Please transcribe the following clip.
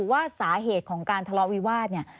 ว่าสาเหตุของการทะเลาะวิวาสเนี่ย